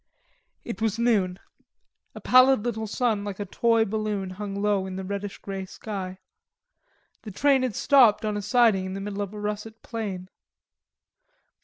It was noon. A pallid little sun like a toy balloon hung low in the reddish grey sky. The train had stopped on a siding in the middle of a russet plain.